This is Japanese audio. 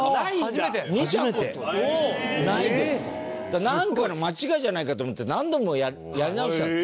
だからなんかの間違いじゃないかと思って何度もやり直したの。